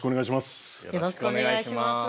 よろしくお願いします。